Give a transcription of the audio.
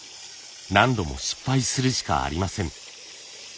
何度も失敗するしかありません。